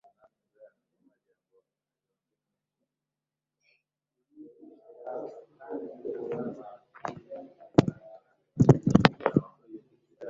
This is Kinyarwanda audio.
ahari kuri grotto aho se yunamye